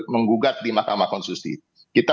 menggugat di mahkamah konstitusi kita